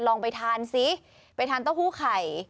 ลองไปทานซิไปทานเต้าหู้ไข่